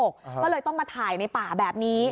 ก็เลยต้องมาถ่ายในป่าแบบนี้